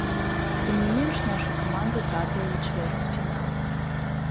Тым не менш наша каманда трапіла ў чвэрцьфінал.